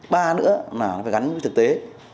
ba nữa là phải gắn với thực tế